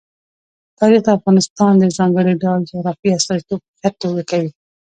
تاریخ د افغانستان د ځانګړي ډول جغرافیې استازیتوب په ښه توګه کوي.